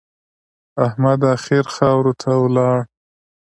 احمد اخير خاورو ته ولاړ.